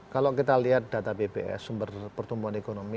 kalau kita lihat data bps sumber pertumbuhan ekonomi